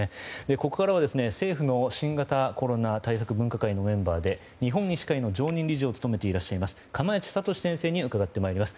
ここからは政府の新型コロナ対策分科会のメンバーで日本医師会の常任理事を務めていらっしゃいます釜萢敏先生に伺ってまいります。